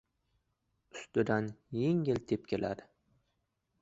Ustidan yengil-engil tepkiladi.